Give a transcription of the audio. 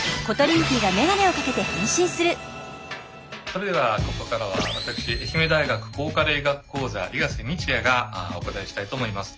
それではここからは私愛媛大学抗加齢医学講座伊賀瀬道也がお答えしたいと思います。